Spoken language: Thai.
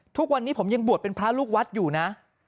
ทุกวันนี้ผมยังบวชเป็นพระลูกวัดอยู่นะ